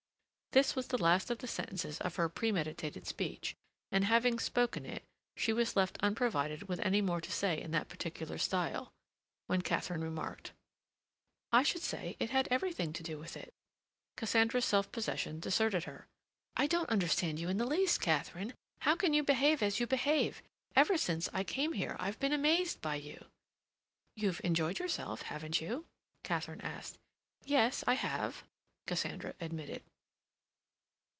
This was the last of the sentences of her premeditated speech; and having spoken it she was left unprovided with any more to say in that particular style. When Katharine remarked: "I should say it had everything to do with it," Cassandra's self possession deserted her. "I don't understand you in the least, Katharine. How can you behave as you behave? Ever since I came here I've been amazed by you!" "You've enjoyed yourself, haven't you?" Katharine asked. "Yes, I have," Cassandra admitted.